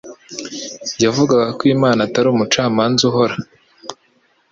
Yavugaga ko Imana atari umucamanza uhora,